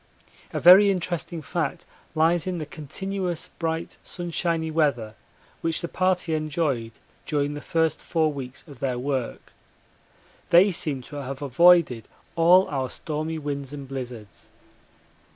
A very interesting fact lies in the continuous bright sunshiny weather which the party enjoyed during the first four weeks of their work. They seem to have avoided all our stormy winds and blizzards.